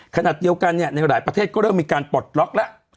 ขณะเดียวกันในหลายประเทศก็เริ่มมีการปลดล็อกแล้ว